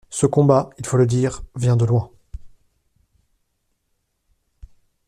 Ce combat – il faut le dire – vient de loin.